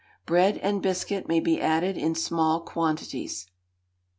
Bread and biscuit may be added in small quantities.